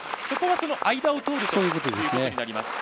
そこは間を通るということです。